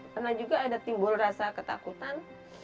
pernah juga ada timbul rasa ketakutan